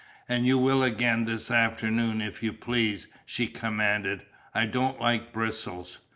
"And you will again this afternoon, if you please," she commanded. "I don't like bristles."